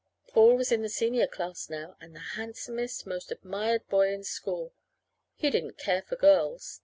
Paul was in the senior class now, and the handsomest, most admired boy in school. He didn't care for girls.